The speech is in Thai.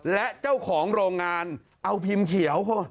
และเจ้าของโรงงานเอาพิมพ์เขียว